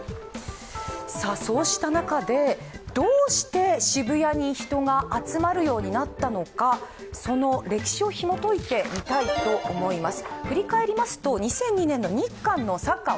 そうした中で、どうして渋谷に人が集まる様になったのか、その歴史をひもといてみたいと思います。